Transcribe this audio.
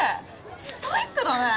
ストイックだね！